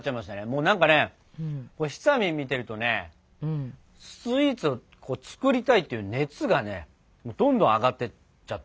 もうなんかねひさみん見てるとねスイーツを作りたいっていう熱がねどんどん上がってっちゃったね。